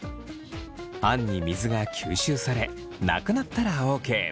あんに水が吸収されなくなったらＯＫ。